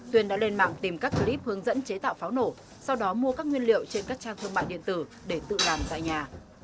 tuyên đã lên mạng tìm các clip hướng dẫn chế tạo pháo nổ sau đó mua các nguyên liệu trên các trang thương mại điện tử để tự làm tại nhà